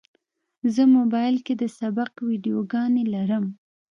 زه موبایل کې د سبق ویډیوګانې لرم.